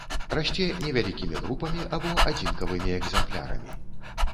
Расце невялікімі групамі або адзінкавымі экзэмплярамі.